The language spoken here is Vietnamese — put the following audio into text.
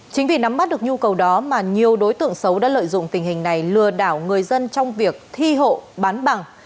chính vì nắm bắt được nhu cầu đó mà nhiều đối tượng xấu đã lợi dụng tình hình này lừa đảo người dân trong việc thi hộ bán bằng